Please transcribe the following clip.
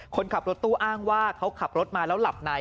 คนขับรถตู้อ้างว่าเขาขับรถมาแล้วหลับใน